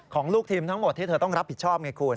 ของลูกทีมทั้งหมดที่เธอต้องรับผิดชอบไงคุณ